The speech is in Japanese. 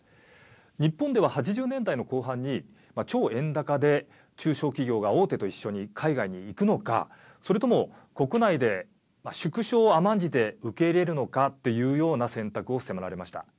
日本では８０年代の後半に超円高で中小企業が大手と一緒に海外に行くのかそれとも国内で縮小を甘んじて受け入れるのかというような選択を迫られました。